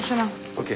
ＯＫ。